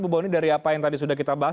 bu boni dari apa yang tadi sudah kita bahas